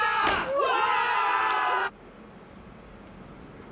うわ！